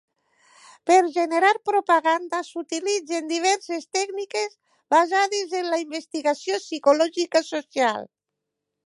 Per generar propaganda s'utilitzen diverses tècniques basades en la investigació psicològica social.